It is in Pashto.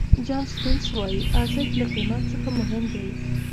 جان سپینس وایي ارزښت له قیمت څخه مهم دی.